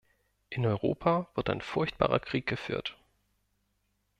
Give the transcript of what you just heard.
In Europa wird ein furchtbarer Krieg geführt.